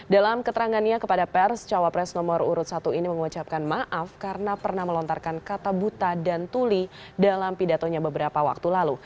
dalam keterangannya kepada pers cawapres nomor urut satu ini mengucapkan maaf karena pernah melontarkan kata buta dan tuli dalam pidatonya beberapa waktu lalu